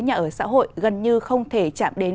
nhà ở xã hội gần như không thể chạm đến